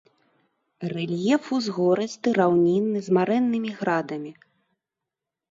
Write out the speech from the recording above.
Рэльеф узгорысты раўнінны з марэннымі градамі.